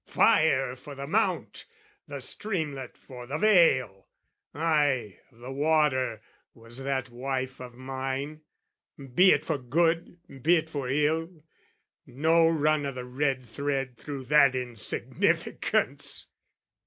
Fire for the mount, the streamlet for the vale! Ay, of the water was that wife of mine Be it for good, be it for ill, no run O' the red thread through that insignificance!